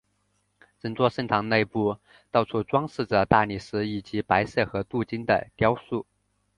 整座圣堂内部到处装饰着大理石以及白色和镀金的雕塑。